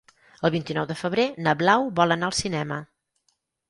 El vint-i-nou de febrer na Blau vol anar al cinema.